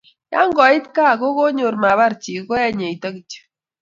ya koit gaa ko konyor ma bar jii koeny eito kityo